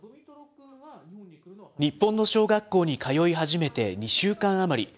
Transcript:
日本の小学校に通い始めて２週間余り。